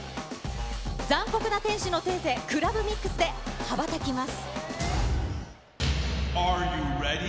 残酷な天使のテーゼ・クラブミックスで羽ばたきます。